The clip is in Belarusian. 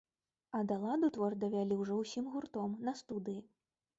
А да ладу твор давялі ўжо ўсім гуртом, на студыі.